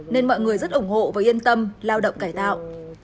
nên mọi người rất ủng hộ và yên tâm lao động cải tạo